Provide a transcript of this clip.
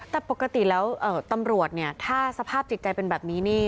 แต่ปกติแล้วตำรวจเนี่ยถ้าสภาพจิตใจเป็นแบบนี้นี่